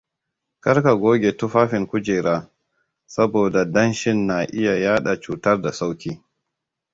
Kar ka goge tufafin kujera, saboda danshin na iya yaɗa cutar da sauki.